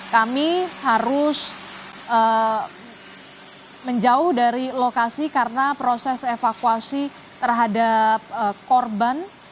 kami harus menjauh dari lokasi karena proses evakuasi terhadap korban